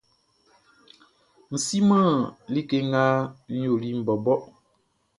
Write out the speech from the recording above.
N siman like nga n yoliʼn bɔbɔ.